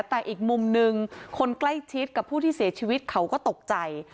แต่อีกมุมหนึ่งคนใกล้ชิดกับผู้ที่เสียชีวิตเขาก็ตกใจ